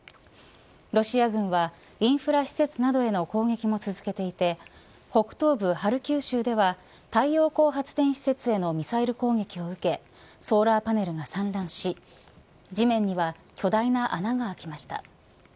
ロシア軍はインフラ施設などへの攻撃も続けていて北東部ハルキウ州では太陽光発電施設へのミサイル攻撃を受けソーラーパネルが散乱し地面には巨大な穴が開きました。